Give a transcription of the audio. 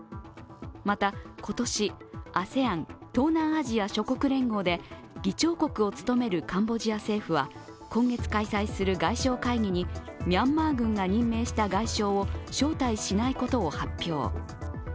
また今年、ＡＳＥＡＮ＝東南アジア諸国連合で議長国を務めるカンボジア政府は今月開催する外相会議にミャンマー軍が任命した外相を招待しないことを発表。